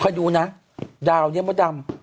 เพราะดูนะดาวนี้มะดำ